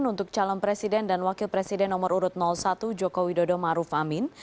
untuk calon presiden dan wakil presiden nomor urut satu joko widodo maruf amin